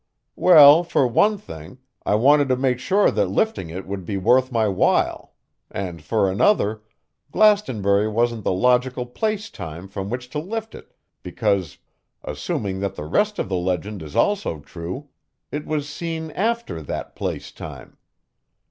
"Well, for one thing, I wanted to make sure that lifting it would be worth my while, and for another, Glastonbury wasn't the logical place time from which to lift it, because, assuming that the rest of the legend is also true, it was seen after that place time.